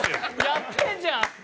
「やってんじゃん」